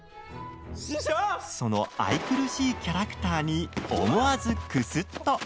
その愛くるしいキャラクターに思わず、くすっと。